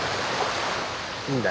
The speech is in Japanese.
いいんだ。